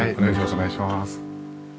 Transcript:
はいお願いします。